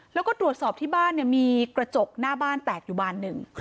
แล้วก็ตรวจสอบที่บ้านมีกระจกหน้าบ้านแตกอยู่บานหนึ่ง